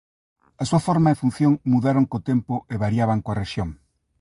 A súa forma e función mudaron co tempo e variaban coa rexión.